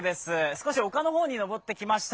少し丘の方に上ってきました。